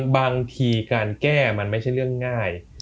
บางทีการแก้มันไม่ใช่เรื่องง่าย